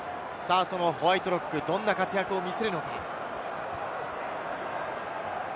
そのホワイトロック、どんな活躍を見せるのか。